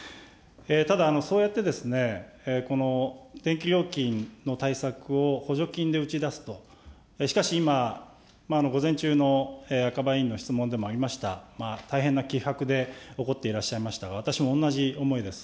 ただ、そうやって、この電気料金の対策を補助金で打ち出すと、しかし今、午前中の赤羽委員の質問でもありました、大変な気迫で怒っていらっしゃいましたが、私も同じ思いです。